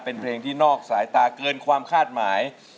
เป็นเพลงที่นอกสายตาเกินความคาดหมาย